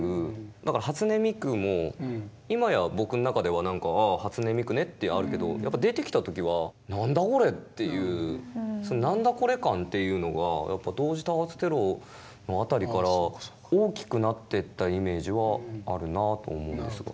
だから初音ミクも今や僕の中では「あぁ初音ミクね」ってあるけどやっぱり出てきた時はというのが同時多発テロの辺りから大きくなっていったイメージはあるなあと思うんですが。